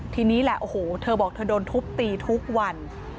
ทีนี้แหละโอ้โหเธอบอกเธอโดนทุบตีทุกวัน